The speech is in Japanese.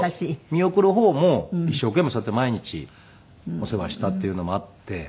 見送る方も一生懸命そうやって毎日お世話したっていうのもあって。